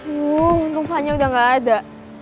wow untung vanya udah gak ada